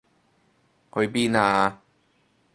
去邊啊？